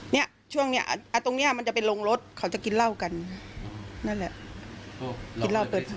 เนี่ยช่วงเนี้ยตรงเนี้ยมันจะไปลงรถเขาจะกินเหล้ากันนั่นแหละ